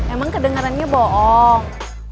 emang kedengerannya bohong